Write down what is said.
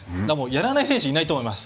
やらない選手はいないと思います。